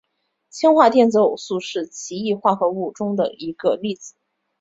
氢化电子偶素是奇异化合物的一个例子。